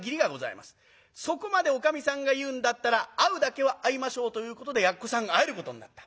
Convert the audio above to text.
そこまでおかみさんが言うんだったら会うだけは会いましょうということでやっこさん会えることになった。